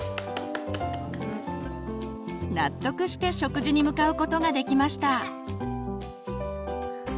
納得して食事に向かうことができました。